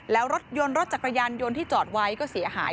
แล้วรถยนต์รถจักรยานยนต์ที่จอดไว้ก็เสียหาย